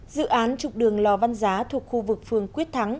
dự án trục đường lò văn giá thuộc khu vực phường quyết thắng